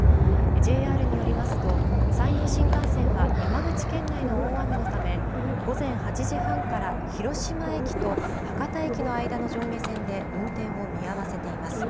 ＪＲによりますと山陽新幹線は山口県内の大雨のため午前８時半から広島駅と博多駅の間の上下線で運転を見合わせています。